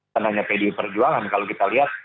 karena pdi perjuangan kalau kita lihat